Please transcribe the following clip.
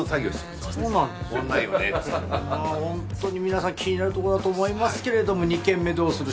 ホントに皆さん気になるとこだと思いますけれども「二軒目どうする？